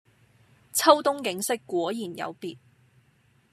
秋冬景色果然有別